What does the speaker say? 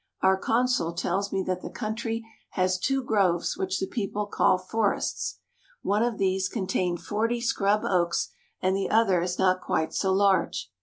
Our consul tells me that the country has two groves which the people call forests. One of these contains forty scrub oaks and the other is not quite so large.